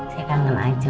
saya kangen aja